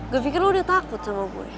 gue pikir lo udah takut sama gue